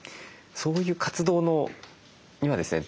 そういう活動にはですね